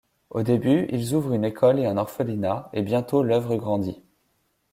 Au début, ils ouvrent une école et un orphelinat, et bientôt l'œuvre grandit.